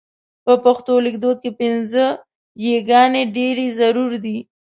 په پښتو لیکدود کې پينځه یې ګانې ډېرې ضرور دي.